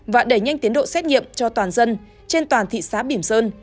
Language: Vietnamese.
và đẩy nhanh tiến độ xét nghiệm cho toàn dân trên toàn thị xã bỉm sơn